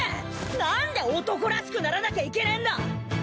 何で男らしくならなきゃいけねえんだ！